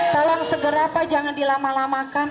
tolong segera pak jangan dilama lamakan